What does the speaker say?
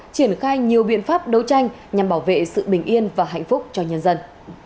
triển khai nhiều biện pháp đấu tranh nhằm bảo vệ sự bình yên và hạnh phúc cho nhân dân